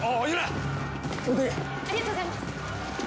ありがとうございます！